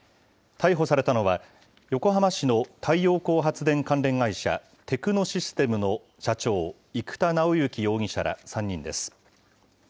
逮捕されたのは横浜市の太陽光発電関連会社、テクノシステムの社長、生田尚之容疑者ら３人です。